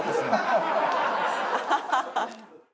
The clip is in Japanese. ハハハハ！